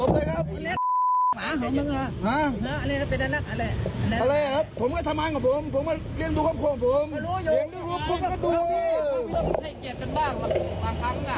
พี่ไม่ให้เกลียดกันบ้างบางครั้ง